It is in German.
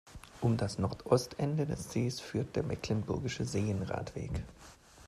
Um das Nordostende des Sees führt der Mecklenburgische Seen-Radweg.